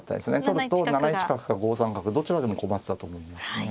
取ると７一角か５三角どちらでも困ってたと思いますね。